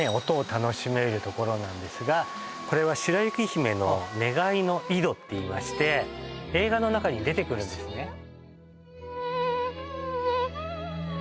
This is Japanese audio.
音を楽しめるところなんですがこれは白雪姫の願いの井戸っていいまして映画の中に出てくるんですね